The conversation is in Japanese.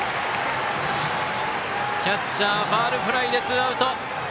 キャッチャーファウルフライでツーアウト。